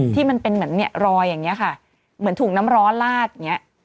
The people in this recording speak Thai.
ที่มันเป็นเหมือนเนี่ยรอยอย่างนี้ค่ะเหมือนถูกน้ำร้อนลาดอย่างเงี้ย